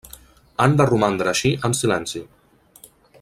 Han de romandre així en silenci.